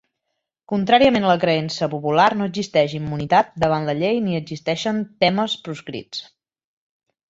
Contràriament a la creença popular no existeix immunitat davant la llei ni existeixen temes proscrits.